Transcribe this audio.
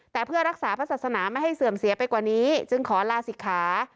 แต่เพื่อรักษาพระศาสนาไม่ให้เสื่อมเสียไปกว่านี้จึงขอลาศิกขา